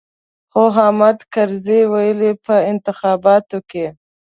خو حامد کرزي ويل چې په انتخاباتو کې.